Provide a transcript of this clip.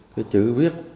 cái chữ viết